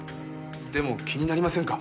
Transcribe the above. でも気になりませんか？